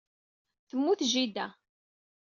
Temmut jida.